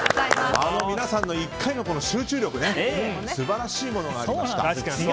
あの皆さんの１回の集中力素晴らしいものがありました。